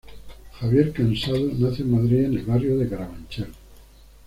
Javier Cansado nace en Madrid, en el barrio de Carabanchel.